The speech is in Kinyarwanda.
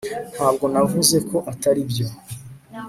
ntabwo navuze ko atari byo